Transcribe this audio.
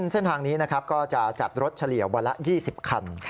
เส้นทางนี้นะครับก็จะจัดรถเฉลี่ยวันละ๒๐คัน